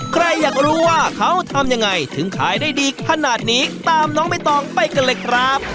ใครอยากรู้ว่าเขาทำยังไงถึงขายได้ดีขนาดนี้ตามน้องใบตองไปกันเลยครับ